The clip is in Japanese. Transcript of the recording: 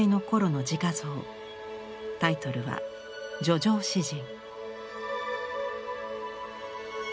タイトルは「叙情詩人」。